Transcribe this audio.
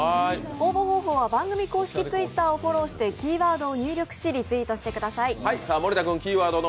応募方法は番組公式Ｔｗｉｔｔｅｒをフォローし、キーワードを入れてツイートしてください。